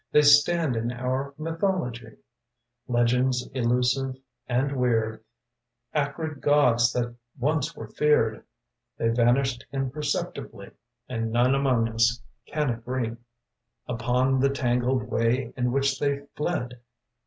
They stand in our mythology: Legends elusive and weird, Acrid Gods that once were feared. They vanished imperceptibly And none among us can agree Upon the tangled way in which they fled.